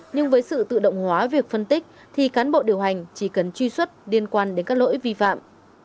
nhưng với sự tự động hóa việc phân tích thì cán bộ điều hành chỉ cần truy xuất liên quan đến các lỗi vi phạm